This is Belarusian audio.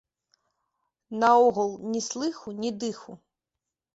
Наогул ні слыху, ні дыху.